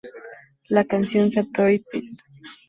La canción "Satori Pt.